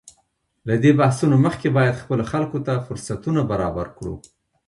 له دې بحثونو مخکې باید خپلو خلکو ته فرصتونه برابر کړو.